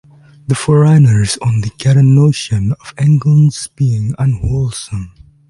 The foreigners only get a notion of England's being unwholesome.